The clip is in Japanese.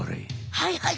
はいはい。